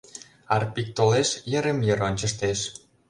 Арпик толеш, йырым-йыр ончыштеш.